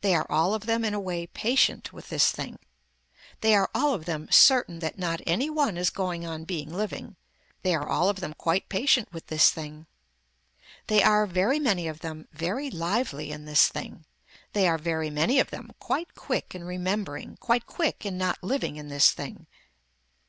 They are all of them in a way patient with this thing. They are all of them certain that not any one is going on being living. They are all of them quite patient with this thing. They are, very many of them, very lively in this thing. They are, very many of them quite quick in remembering, quite quick in not living in this thing.